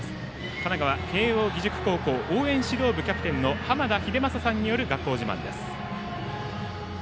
神奈川・慶応義塾高校応援指導部キャプテンの濱田英聖さんです。